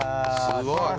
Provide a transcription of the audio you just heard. すごい。